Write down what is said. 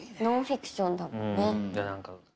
ノンフィクションだもんね。